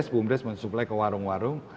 bumdes mensuplai ke warung warung